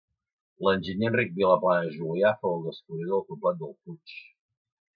L'enginyer Enric Vilaplana Julià fou el descobridor del poblat del Puig.